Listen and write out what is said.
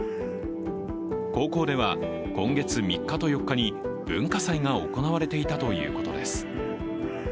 高校では、今月３日と４日に文化祭が行われていたということです。